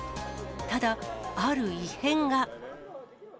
ただ、ある異変が。